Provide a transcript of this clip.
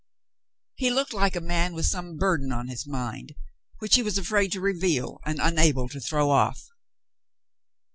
He looked like a man with some burden on his mind which he was afraid to reveal and unable to throw off.